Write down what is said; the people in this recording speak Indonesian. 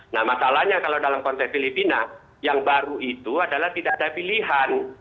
nah masalahnya kalau dalam konteks filipina yang baru itu adalah tidak ada pilihan